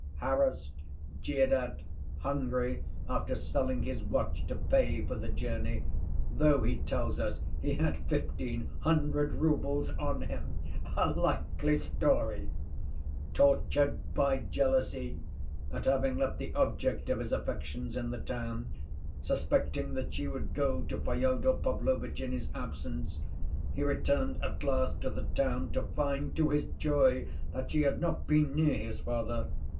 "Harassed, jeered at, hungry, after selling his watch to pay for the journey (though he tells us he had fifteen hundred roubles on him—a likely story), tortured by jealousy at having left the object of his affections in the town, suspecting that she would go to Fyodor Pavlovitch in his absence, he returned at last to the town, to find, to his joy, that she had not been near his father.